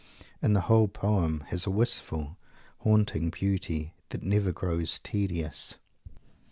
And the whole poem has a wistful, haunting beauty that never grows tedious.